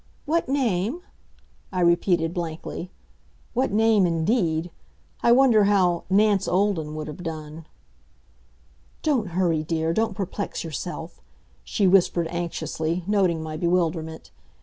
what name?" I repeated blankly. What name, indeed. I wonder how "Nance Olden" would have done. "Don't hurry, dear, don't perplex yourself," she whispered anxiously, noting my bewilderment.